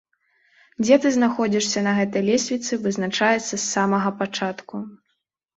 Дзе ты знаходзішся на гэтай лесвіцы, вызначаецца з самага пачатку.